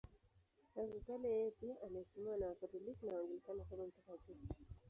Tangu kale yeye pia anaheshimiwa na Wakatoliki na Waanglikana kama mtakatifu.